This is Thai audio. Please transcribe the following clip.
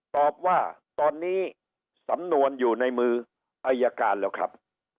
ตอบว่าตอนนี้สำนวนอยู่ในมืออายการแล้วครับ